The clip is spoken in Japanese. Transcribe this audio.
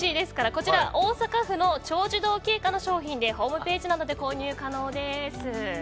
こちら、大阪府の長寿堂恵佳の商品でホームページなどで購入可能です。